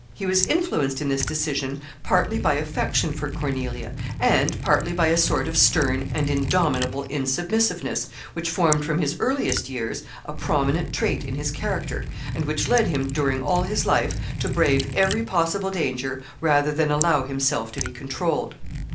He was influenced in this decision partly by affection for Cornelia, and partly by a sort of stern and indomitable insubmissiveness, which formed, from his earliest years, a prominent trait in his character, and which led him, during all his life, to brave every possible danger rather than allow himself to be controlled.